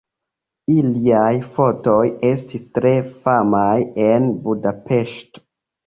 Iliaj fotoj estis tre famaj en Budapeŝto.